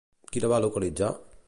Qui la va localitzar?